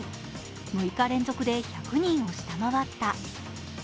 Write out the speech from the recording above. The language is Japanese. ６日連続で１００人を下回った。